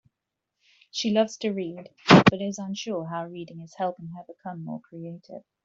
She loves to read, but is unsure how reading is helping her become more creative.